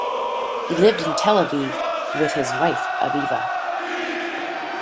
He lived in Tel Aviv with his wife Aviva.